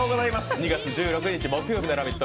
２月１６日木曜日の「ラヴィット！」。